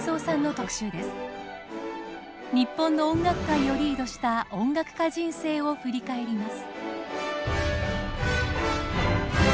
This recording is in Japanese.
日本の音楽界をリードした音楽家人生を振り返ります。